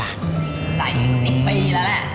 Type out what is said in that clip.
ซัก๑๐ปีแล้วแหละ